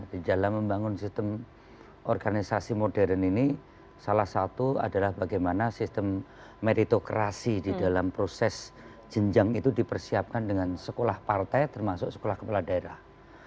di dalam membangun sistem organisasi modern ini salah satu adalah bagaimana sistem meritokrasi di dalam proses jenjang itu dipersiapkan dengan sekolah partai termasuk sekolah kepala daerah